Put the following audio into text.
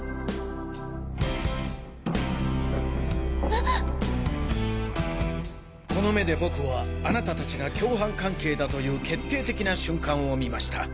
あこの目で僕はあなた達が共犯関係だという決定的な瞬間を見ました。